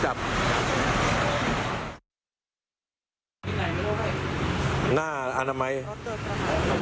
หน้าอร่านอาลิมเมริน